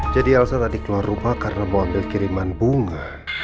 jadi elsa tadi keluar rumah karena mau ambil kiriman bunga